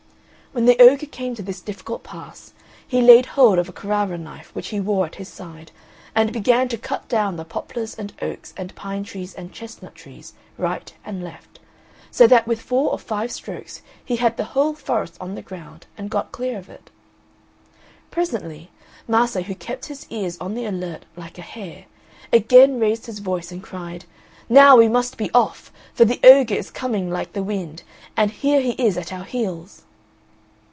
When the ogre came to this difficult pass he laid hold of a Carrara knife which he wore at his side, and began to cut down the poplars and oaks and pine trees and chestnut trees, right and left; so that with four or five strokes he had the whole forest on the ground and got clear of it. Presently, Mase who kept his ears on the alert like a hare, again raised his voice and cried, "Now we must be off, for the ogre is coming like the wind and here he is at our heels."